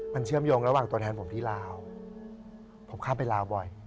มันเชื่อมโยงระหว่างตัวแทนผมที่ลาวผมเข้าไปลาวบ่อย